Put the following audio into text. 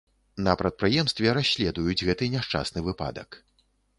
На прадпрыемстве расследуюць гэты няшчасны выпадак.